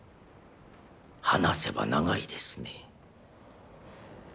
話せば長いですね